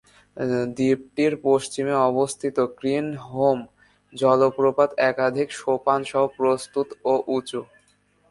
দ্বীপটির পশ্চিমে অবস্থিত ক্রিনহোম জলপ্রপাত একাধিক সোপানসহ প্রশস্ত ও উঁচু।